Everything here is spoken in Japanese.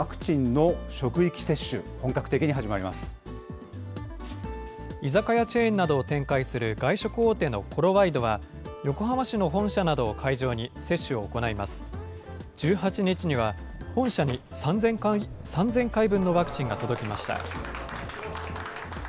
１８日には本社に３０００回分のワクチンが届きました。